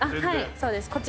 はいそうです。